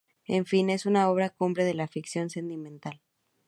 En fin, es una obra cumbre de la ficción sentimental.